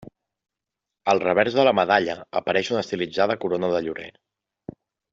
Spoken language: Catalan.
Al revers de la medalla apareix una estilitzada corona de llorer.